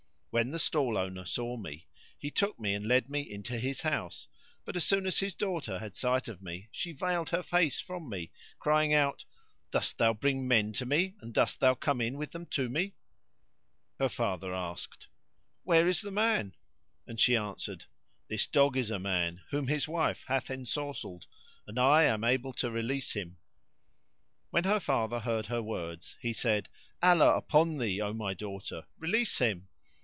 When the stall owner saw me, he took me and led me into his house, but as soon as his daughter had sight of me she veiled her face from me, crying out, "Dost thou bring men to me and dost thou come in with them to me?" Her father asked, "Where is the man?"; and she answered, "This dog is a man whom his wife hath ensorcelled and I am able to release him." When her father heard her words, he said, "Allah upon thee, O my daughter, release him."